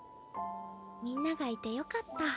みんながいてよかった。